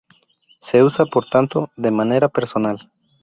Se usa por tanto, de manera personal.